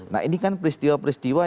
nah ini kan peristiwa peristiwa